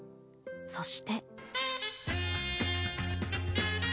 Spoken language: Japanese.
そして。